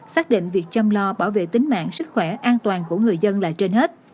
xác định việc chăm lo bảo vệ tính mạng sức khỏe an toàn của người dân là trên hết